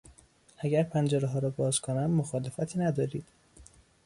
اگر پنجرهها را باز کنم مخالفتی ندارید؟